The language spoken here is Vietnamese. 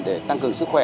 để tăng cường sức khỏe